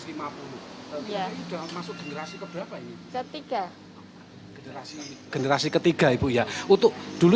sudah masuk generasi keberapa ini ketiga generasi generasi ketiga ibu ya untuk dulu